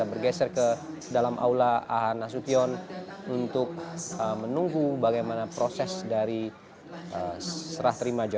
menyanyikan lagu kebasaan indonesia raya